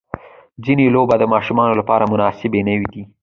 ځینې لوبې د ماشومانو لپاره مناسبې نه دي.